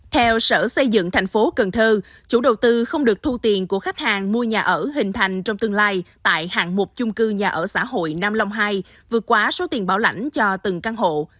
theo sở xây dựng thành phố cần thơ chủ đầu tư không được thu tiền của khách hàng mua nhà ở hình thành trong tương lai tại hạng mục chung cư nhà ở xã hội nam long hai vượt quá số tiền bảo lãnh cho từng căn hộ